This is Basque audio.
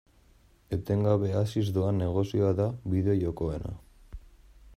Etengabe haziz doan negozioa da bideo-jokoena.